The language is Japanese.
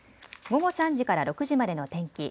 午後３時から６時までの天気。